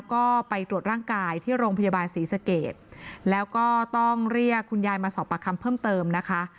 ก็ไปตรวจร่างกายที่โรงพยาบาลศรีสเกตแล้วก็ต้องเรียกคุณยายมาสอบปากคำเพิ่มเติมนะคะ